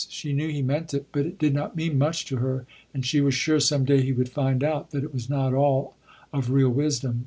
She knew he meant it, but it did not mean much to her, and she was sure some day he would find out, that it was not all, of real wisdom.